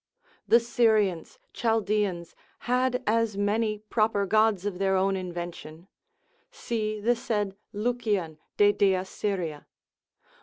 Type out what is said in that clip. The Syrians, Chaldeans, had as many proper gods of their own invention; see the said Lucian de dea Syria.